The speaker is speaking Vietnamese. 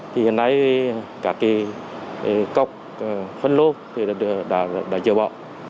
thì hiện nay cả cái cọc phân lô thì đã chờ bỏ